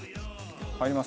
入ります？